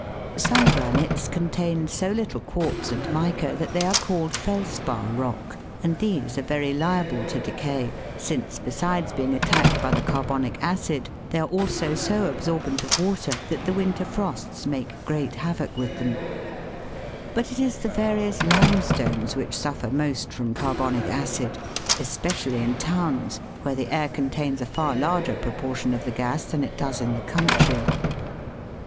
Some granites contain so little quartz and mica that they are called felspar rock, and these are very liable to decay, since, besides being attacked by the carbonic acid, they are also so absorbent of water that the winter frosts make great havoc with them, But it is the various limestones which suffer most from carbonic acid, especially in towns, where the air contains a far larger proportion of the gas than it does in the country.